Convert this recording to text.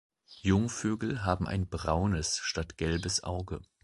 Jungvögel haben ein braunes statt gelbes Auge.